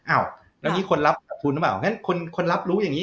อ้าวแล้วอันนี้คนรับภูมิได้ไหมอาหารนั้นคนรับรู้แบบนี้